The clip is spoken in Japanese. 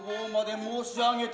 申し上げた。